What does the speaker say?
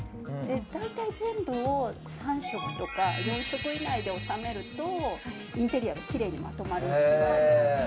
大体、全部を３色とか４色以内で収めるとインテリアがきれいにまとまるといわれています。